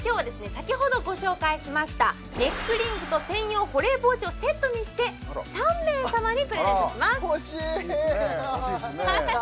先ほどご紹介しましたネックリングと専用保冷ポーチをセットにして３名様にプレゼントしますほしいいいですね